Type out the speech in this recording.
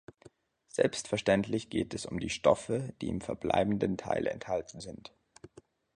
Selbstverständlich geht es um die Stoffe, die im verbleibenden Teil enthalten sind.